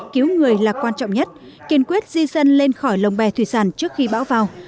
cứu người là quan trọng nhất kiên quyết di dân lên khỏi lồng bè thủy sản trước khi bão vào